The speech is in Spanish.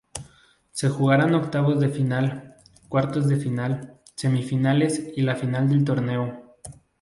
Se jugaran octavos de Final, Cuartos de final, semifinales y la final del torneo.